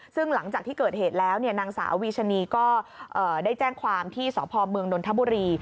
ซึ่งหลังจากที่เกิดเหตุแล้วนางสาววีชนีก็ได้แจ้งความที่สพเมืองนนทบุรี